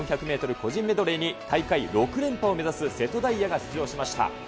個人メドレーに大会６連覇を目指す瀬戸大也が出場しました。